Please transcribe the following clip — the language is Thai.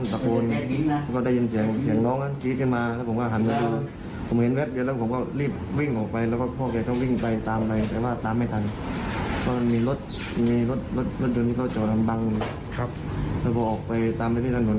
รถยนต์ที่เขาเจาะลำบังแล้วพอออกไปตามไปที่ถนน